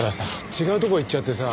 違うとこ行っちゃってさ。